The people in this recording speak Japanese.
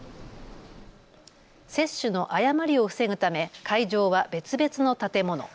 接種の誤りを防ぐため会場は別々の建物。